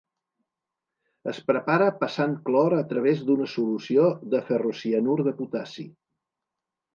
Es prepara passant clor a través d'una solució de ferrocianur de potassi.